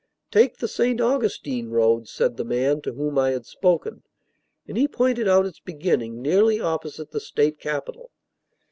"Take the St. Augustine road," said the man to whom I had spoken; and he pointed out its beginning nearly opposite the state capitol.